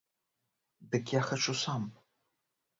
Дык я хачу сам.